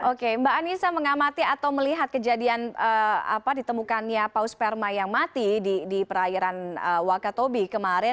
oke mbak anissa mengamati atau melihat kejadian ditemukannya paus sperma yang mati di perairan wakatobi kemarin